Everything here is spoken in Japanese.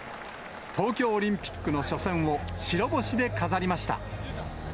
東京オリンピックの初戦を白星で飾りました。